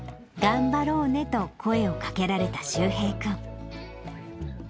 頑張ろうねと声をかけられた柊平君。